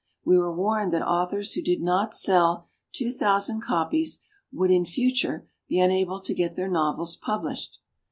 We were warned that authors who did not sell two thousand copies would in future be unable to get their novels pub lished.